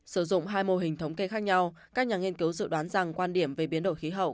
sử dụng hai mô hình thống kê khác nhau các nhà nghiên cứu dự đoán rằng quan điểm về biến đổi khí hậu